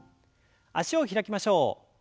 脚を開きましょう。